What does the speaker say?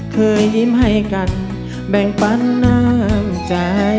เคยยิ้มให้กันแบ่งปันน้ำใจ